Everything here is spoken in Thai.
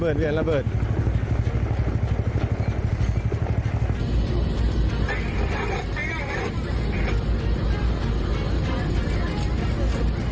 โอ้โหพังเรียบเป็นหน้ากล่องเลยนะครับ